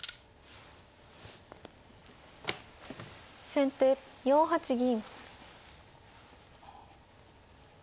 先手４八銀。